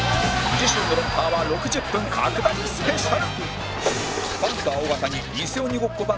次週の『ロンハー』は６０分拡大スペシャル！